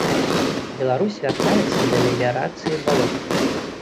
Беларусь вяртаецца да меліярацыі балот.